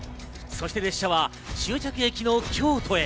そして列車は終着駅の京都へ。